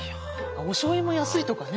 おしょうゆも安いとかね。